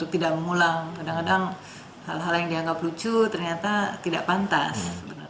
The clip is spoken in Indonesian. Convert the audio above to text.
tidak mengulang kadang kadang hal hal yang dianggap lucu ternyata tidak pantas